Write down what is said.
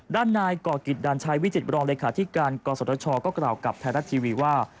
ด้านนายก่อกิจดัญชัยวิจิตรบรองเลยค่ะที่การก่อสวทชก็กล่าวกับไทยรัฐทีวีว่า